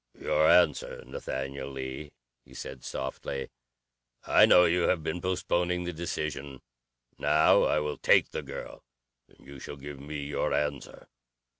"Your answer Nathaniel Lee," he said softly. "I know you have been postponing the decision. Now I will take the girl, and you shall give me your answer.